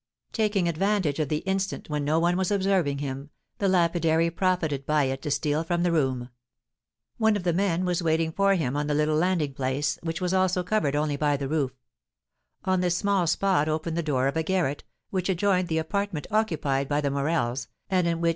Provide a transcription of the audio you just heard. Taking advantage of the instant when no one was observing him, the lapidary profited by it to steal from the room. One of the men was waiting for him on the little landing place, which was also covered only by the roof; on this small spot opened the door of a garret, which adjoined the apartment occupied by the Morels, and in which M.